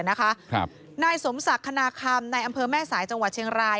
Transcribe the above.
นายสมศักดิ์คณาคำในอำเภอแม่สายจังหวัดเชียงราย